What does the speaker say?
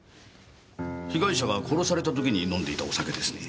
被害者が殺された時に飲んでいたお酒ですね。